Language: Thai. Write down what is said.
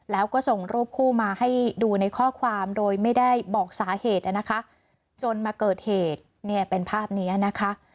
แล้วก็ส่งรูปคู่มาให้ดูในข้อความโดยไม่ได้บอกสาเหตุนะคะจนมาเกิดเหตุเนี่ยเป็นภาพนี้นะคะ